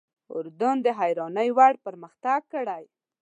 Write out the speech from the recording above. اردن د حیرانۍ وړ پرمختګ کړی.